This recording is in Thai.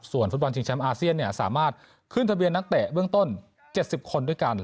ส่วนฟุตบอลชิงแชมป์อาเซียนสามารถขึ้นทะเบียนนักเตะเบื้องต้น๗๐คนด้วยกัน